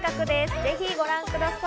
ぜひご覧ください。